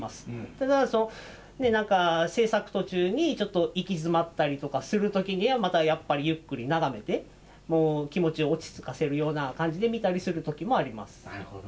ただ、なんか製作途中にちょっと行き詰まったりとかするときに、またやっぱりゆっくり眺めて、もう気持ちを落ち着かせるような感なるほど。